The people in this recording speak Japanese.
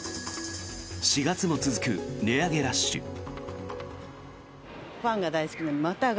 ４月も続く値上げラッシュ。